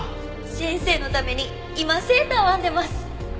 先生のために今セーターを編んでます。